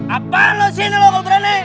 apaan lu sini lo kok berani